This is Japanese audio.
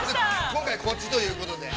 ◆今回は、こっちということで。